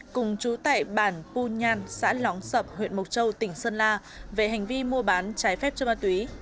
cùng chú tại bản pu nhan xã lóng sập huyện mộc châu tỉnh sơn la về hành vi mua bán trái phép cho ma túy